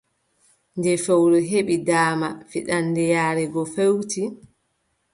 Nde fowru heɓi daama, fiɗaande yaare go feewti,